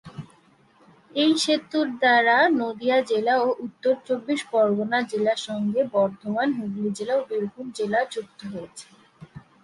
এই সেতুর দ্বারা নদীয়া জেলা ও উত্তর চব্বিশ পরগনা জেলার সঙ্গে বর্ধমান, হুগলি জেলা ও বীরভূম জেলা যুক্ত রয়েছে।